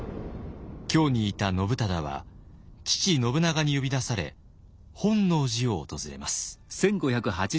京にいた信忠は父信長に呼び出され本能寺を訪れます。